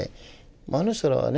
あの人らはね